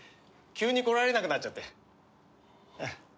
急に来られなくなっちゃって。